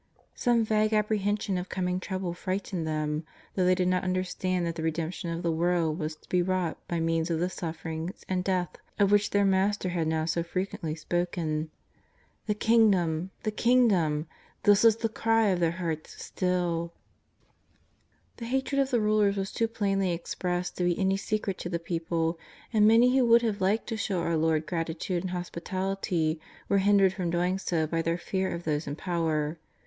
Some vague apprehension of coming trouble frightened them, though they did not understand that the redemption of the world was to be wrought by means of the sufferinars and death of which their Mas ter had now so frequently spoken. The Kingdom! the Kingdom ! this was the cry of their hearts stilL 287 288 JESUS OF NAZARETH. The hatred of the rulers was too plainly expressed to be any secret to the people, and many who would have liked to show our Lord gratitude and hospitality were hindered from doing so by their fear of those in power.